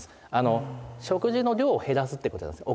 食事の量を減らすってことなんです。